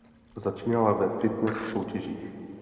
Začínala ve fitness soutěžích.